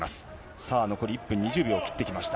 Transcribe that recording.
さあ、残り１分２０秒を切ってきました。